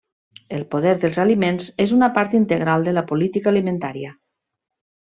El poder dels aliments és una part integral de la política alimentària.